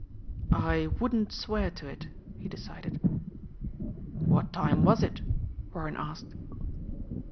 "I wouldn't swear to it," he decided. "What time was it?" Warren asked.